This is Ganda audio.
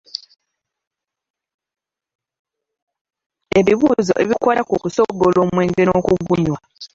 Ebibuuzo ebikwata ku kusogola omwenge n'okugunywa.